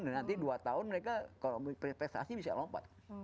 dan nanti dua tahun mereka kalau prestasi bisa lompat